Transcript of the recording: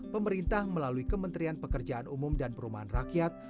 pemerintah melalui kementerian pekerjaan umum dan perumahan rakyat